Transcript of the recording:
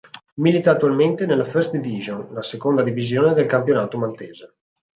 Milita attualmente nella First Division, la seconda divisione del campionato maltese.